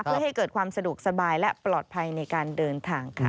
เพื่อให้เกิดความสะดวกสบายและปลอดภัยในการเดินทางค่ะ